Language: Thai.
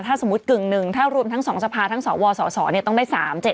ถ้าสมมติกึ่งหนึ่งถ้ารุ่มทั้งสองสภาทั้งสอวอลสอส๋อต้องได้๓๗๕